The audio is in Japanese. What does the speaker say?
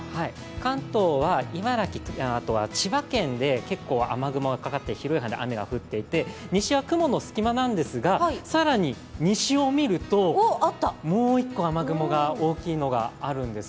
関東は茨城、千葉県で雨雲がかかって、結構雨が降っていて、西は雲の隙間なんですが、更に西を見ると、もう一個、雨雲が大きいのがあるんです。